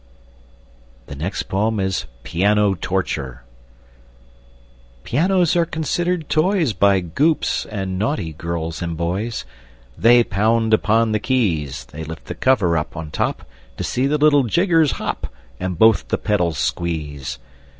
[Illustration: Piano Torture] PIANO TORTURE Pianos are considered toys By Goops, and naughty girls and boys; They pound upon the keys, They lift the cover up, on top, To see the little jiggers hop, And both the pedals squeeze!